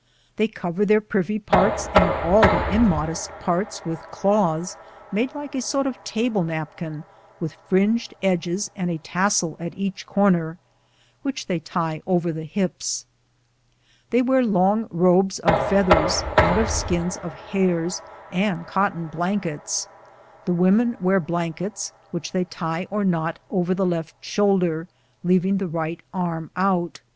They cover their privy parts and all the immodest parts with cloths made like a sort of table napkin, with fringed edges and a tassel at each corner, which they tie over the hips. They wear long robes of feathers and of the skins of hares and cotton blankets.' The women wear blankets, which they tie or knot over the left shoulder, leaving the right arm out.